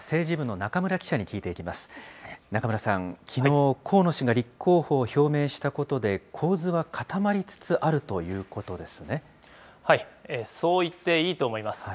中村さん、きのう、河野氏が立候補を表明したことで構図は固まりつつあるということそう言っていいと思います。